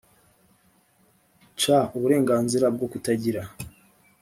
c uburenganzira bwo kutagirwa